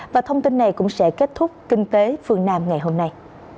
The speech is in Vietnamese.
và thông tin này cũng sẽ kết thúc kinh tế phương nam ngày hôm nay